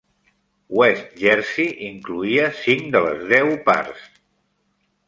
West Jersey incloïa cinc de les deu parts.